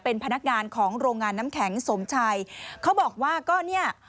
เป็นพนักงานของโรงงานน้ำแข็งสมชัยเขาบอกว่าก็เนี่ย